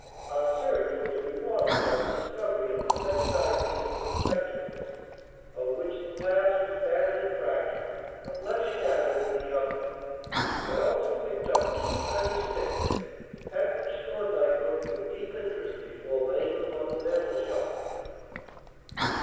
Our search was rewarded by the discovery of the second eye piece of the spectacles, of which the glass was badly cracked but less shattered than the other. I also picked up two tiny sticks at which Thorndyke looked with deep interest before laying them on the mantelshelf.